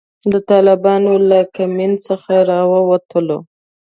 د طالبانو له کمین څخه را ووتلو.